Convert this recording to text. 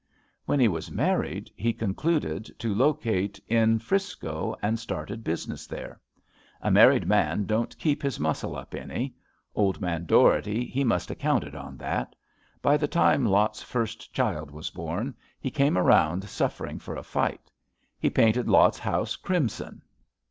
When he was married, he concluded to locate in 'Frisco, and started business there. A mar ried man don't keep his muscle up any. Old man Dougherty he must have counted on that. By the time Lot's first child was born he came around suffering for a fight. He painted Lot's house crimson.